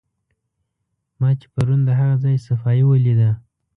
ما چې پرون د هغه ځای صفایي ولیده.